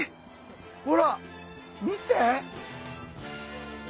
ほら見て！